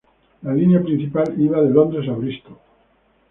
La línea principal iba de Londres a Brístol.